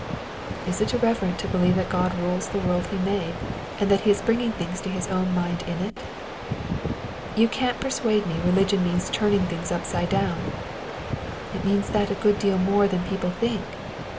"Is it irreverent to believe that God rules the world he made, and that he is bringing things to his own mind in it?" "You can't persuade me religion means turning things upside down." "It means that a good deal more than people think.